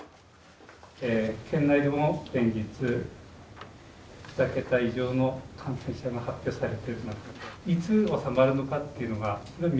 県内でも連日２桁以上の感染者が発表されているなかでいつ収まるのかっていうのが見通せない。